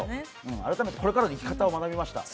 改めてこれからの生き方を学びました。